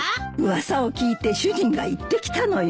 噂を聞いて主人が行ってきたのよ。